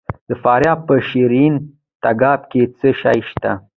د فاریاب په شیرین تګاب کې څه شی شته؟